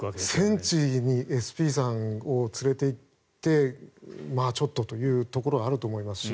戦地にＳＰさんを連れていってちょっとというところはあると思いますし。